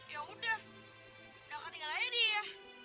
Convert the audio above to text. yaudah gak akan tinggal airi ya